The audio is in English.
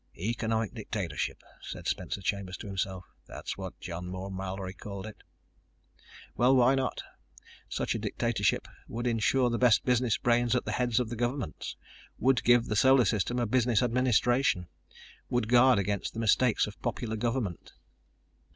"Economic dictatorship," said Spencer Chambers to himself. "That's what John Moore Mallory called it." Well, why not? Such a dictatorship would insure the best business brains at the heads of the governments, would give the Solar System a business administration, would guard against the mistakes of popular government.